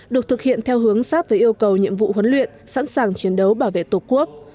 được thực hiện theo hướng sát với yêu cầu nhiệm vụ huấn luyện sẵn sàng chiến đấu bảo vệ tổ quốc